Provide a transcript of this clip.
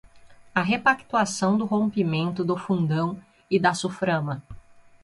A repactuação do rompimento do Fundão e da Suframa